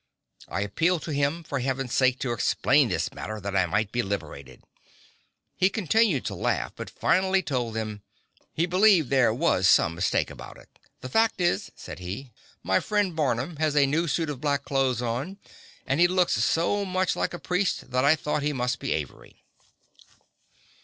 I appealed to him for heaven's sake to explain this matter, that I might be liberated. He continued to laugh, but finally told them "he believed there was some mistake about it. The fact is," said he, "my friend Barnum has a new suit of black clothes on and he looks so much like a priest that I thought he must be Avery."